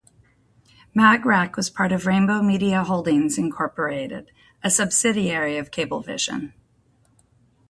Mag Rack was part of Rainbow Media Holdings, Incorporated a subsidiary of Cablevision.